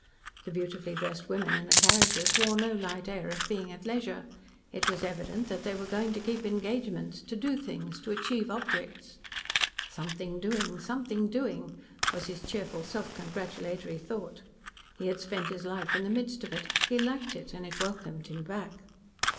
The beautifully dressed women in the carriages wore no light air of being at leisure. It was evident that they were going to keep engagements, to do things, to achieve objects. "Something doing. Something doing," was his cheerful self congratulatory thought. He had spent his life in the midst of it, he liked it, and it welcomed him back.